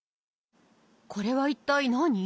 これは一体何？